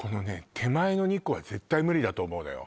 手前の２個は絶対無理だと思うのよ